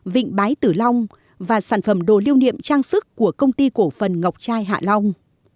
vịnh bái tử long và sản phẩm đồ lưu niệm trang sức của công ty cổ phần ngọc trai hạ long